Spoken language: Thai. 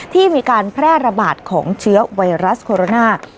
ที่มีการแพร่ระบาดของเชื้อไวรัสโคโรนา